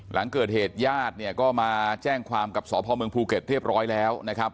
หลังเกิดเหตุญาติเนี่ยก็มาแจ้งความกับสพเมืองภูเก็ตเรียบร้อยแล้วนะครับ